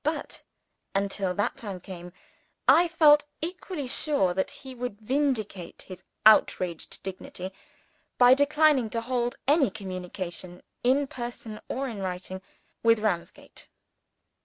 But, until that time came, I felt equally sure that he would vindicate his outraged dignity by declining to hold any communication, in person or in writing, with Ramsgate.